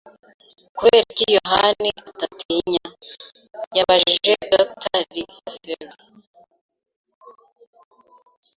“Kubera iki, Yohani, udatinya?” yabajije Dr. Livesey.